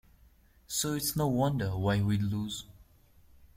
So it's no wonder why we lose.